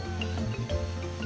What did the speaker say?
mereka membangun rumah ini